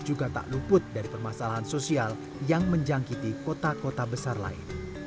mereka merasa terlalu luput dari permasalahan sosial yang menjangkiti kota kota besar lain